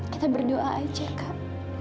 kita berdoa saja kak